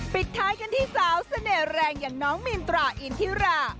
ปิดท้ายกันที่สาวเสน่ห์แรงอย่างน้องมีนตราอินทิรา